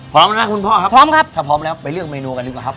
พร้อมนะครับคุณพ่อครับพร้อมครับถ้าพร้อมแล้วไปเลือกเมนูกันดีกว่าครับ